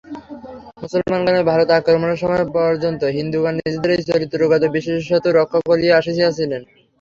মুসলমানগণের ভারত-আক্রমণের সময় পর্যন্ত হিন্দুগণ নিজেদের এই চরিত্রগত বিশেষত্ব রক্ষা করিয়া আসিয়াছিলেন।